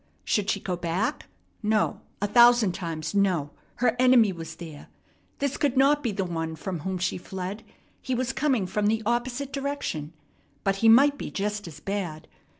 Should she go back? No, a thousand times, no! Her enemy was there. This could not be the one from whom she fled. He was coming from the opposite direction, but he might be just as bad.